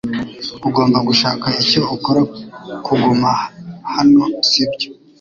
Ugomba gushaka icyo ukora kuguma hano sibyo